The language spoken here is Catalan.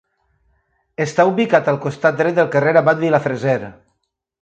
Està ubicat al costat dret del carrer Abat Vilafreser.